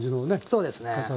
そうですね。